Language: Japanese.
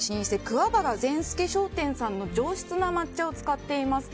桑原善助商店さんの上質な抹茶を使っています。